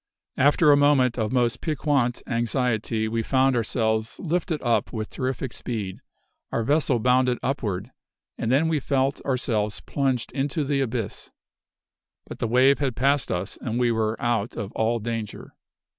After a moment of most piquant anxiety, we found ourselves lifted up with terrific speed; our vessel bounded upward, and then we felt ourselves plunged into the abyss. But the wave had passed us and we were out of all danger.